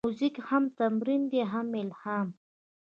موزیک هم تمرین دی، هم الهام.